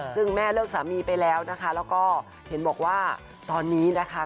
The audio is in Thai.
ซึ่งแม่เลิกสามีไปแล้วนะคะแล้วก็เห็นบอกว่าตอนนี้นะคะ